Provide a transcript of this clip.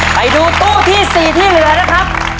ไปดูตู้ที่๔ที่เหลือนะครับ